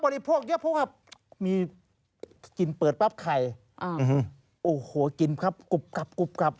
บริโภคเยอะพูดว่ามีกินเปิดปั๊บไข่อืมโอ้โหกินครับกุบกับกุบกับ